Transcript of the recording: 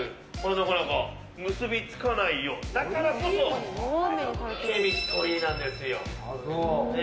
何だか結びつかないようなだからこそケミストリーなんですよ。